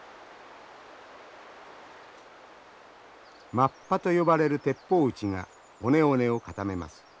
マッパと呼ばれる鉄砲撃ちが尾根尾根を固めます。